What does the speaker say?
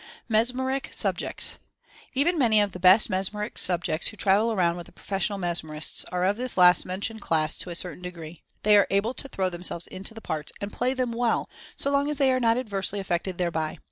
MESMERIC SUBJECTS. Even many of the best mesmeric subjects who travel around with the professional mesmerists are of this 64 Mental Fascination last mentioned class to a certain degree. They are able to throw themselves into the parts, and play them well, so long as they are not adversely affected thereby.